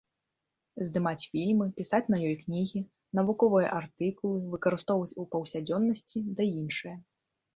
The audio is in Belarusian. Здымаць фільмы, пісаць на ёй кнігі, навуковыя артыкулы, выкарыстоўваць у паўсядзённасці ды іншае.